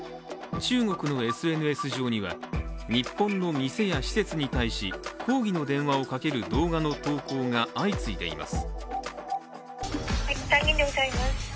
中国のＳＮＳ上には日本の店や施設に対し抗議の電話をかける動画の投稿が相次いでいます。